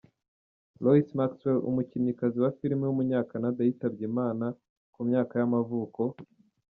Lois Maxwell, umukinnyikazi wa film w’umunyakanada yitabye Imana, ku myaka y’amavuko.